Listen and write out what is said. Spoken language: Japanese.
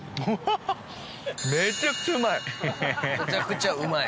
めちゃくちゃうまい？